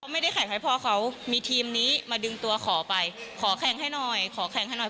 ไม่ได้แข่งให้พ่อเขามีทีมนี้มาดึงตัวขอไปขอแข่งให้หน่อยขอแข่งให้หน่อย